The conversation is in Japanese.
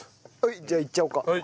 じゃあいっちゃおうか。